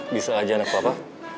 bisa aja anak papa